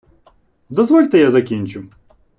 Дозвольте, я закінчу!